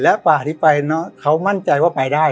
และกว่าที่ไปเนอะเขามั่นใจว่าไปได้